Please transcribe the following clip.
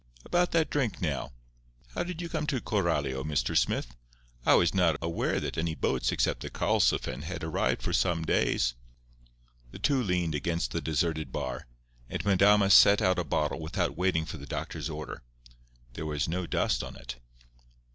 About that drink, now? How did you come to Coralio, Mr. Smith? I was not aware that any boats except the Karlsefin had arrived for some days." The two leaned against the deserted bar; and Madama set out a bottle without waiting for the doctor's order. There was no dust on it.